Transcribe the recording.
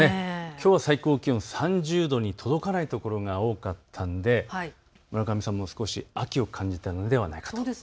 きょうは最高気温、３０度に届かない所が多かったので秋を感じたのではないかと。